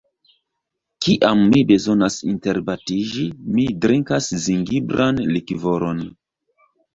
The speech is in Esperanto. Kiam mi bezonas interbatiĝi, mi drinkas zingibran likvoron.